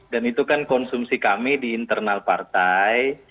dan itu kan konsumsi kami di internal partai